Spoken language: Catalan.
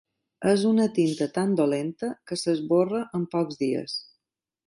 És una tinta tan dolenta que s'esborra en pocs dies.